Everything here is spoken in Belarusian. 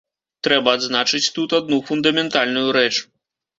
Трэба адзначыць тут адну фундаментальную рэч.